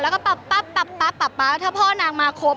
แล้วก็ปั๊บถ้าพ่อนางมาครบ